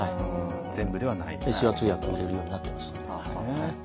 手話通訳も入れるようになっていますね。